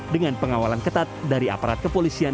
dengan pengawalan ketat dari aparat kepolisian